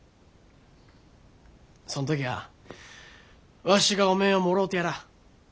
そんときゃあわしがおめえをもろうてやらあ。